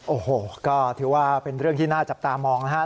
โอ้โหก็ถือว่าเป็นเรื่องที่น่าจับตามองนะครับ